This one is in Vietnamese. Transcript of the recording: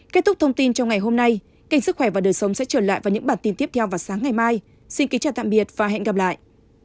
kết thúc thông tin trong ngày hôm nay kênh sức khỏe và đời sống sẽ trở lại vào những bản tin tiếp theo vào sáng ngày mai xin kính chào tạm biệt và hẹn gặp lại